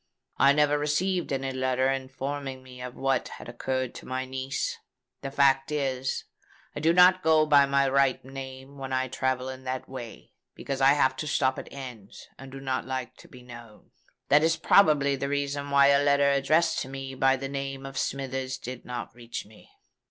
I never received any letter informing me of what had occurred to my niece. The fact is, I do not go by my right name when I travel in that way, because I have to stop at inns, and do not like to be known. That is probably the reason why a letter addressed to me by the name of Smithers did not reach me.